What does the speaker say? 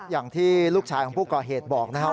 อย่างที่ลูกชายของผู้ก่อเหตุบอกนะครับ